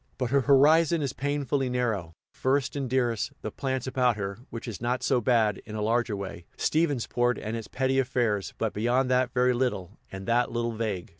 But her horizon is painfully narrow first and dearest, the plants about her, which is not so bad; in a larger way, Stephensport and its petty affairs; but beyond that very little, and that little vague.